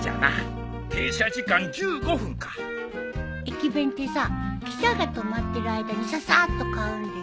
駅弁ってさ汽車が止まってる間にささっと買うんでしょ？